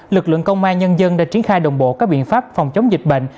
lực lượng công an nhân dân đã triển khai đồng bộ các biện pháp phòng chống dịch bệnh